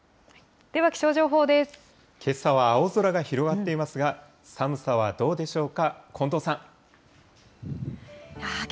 けさは青空が広がっていますが、寒さはどうでしょうか、近藤さん。